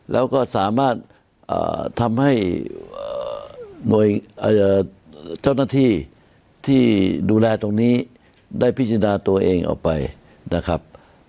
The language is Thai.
แล้วก็สามารถทำให้หน่วยเจ้าหน้าที่ที่ดูแลตรงนี้ได้พิจารณาตัวเองออกไปนะครับ